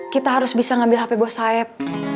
kita harus bisa mengambil hp bos saeb